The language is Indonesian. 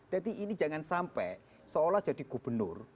ini jangan sampai seolah jadi gubernur